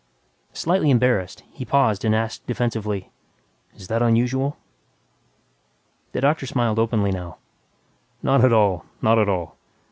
Slightly embarrassed, he paused and asked defensively, "Is that unusual?" The doctor smiled openly now, "Not at all, not at all.